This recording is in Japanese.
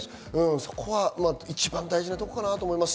そこが一番大事なところかなと思います。